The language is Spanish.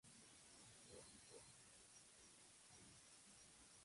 Hay muchas narraciones populares sobre los milagros de Ali Ibn Muhammad.